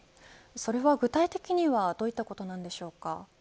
具体的にはどういったことなんでしょうか。